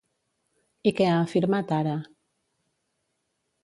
I què ha afirmat ara?